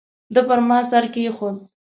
ده پر ما سر کېښود.